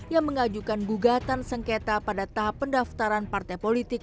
yang mengajukan gugatan sengketa pada tahap pendaftaran partai politik